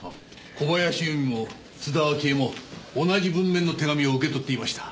小林由美も津田明江も同じ文面の手紙を受け取っていました。